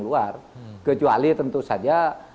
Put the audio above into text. luar kecuali tentu saja